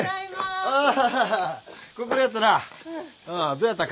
どやった？